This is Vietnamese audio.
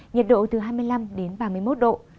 nhiệt độ từ hai mươi năm đến ba mươi một độ